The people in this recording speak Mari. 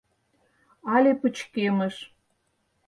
Але пычкемыш.